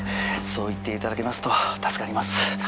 そう言っていただけますと助かります。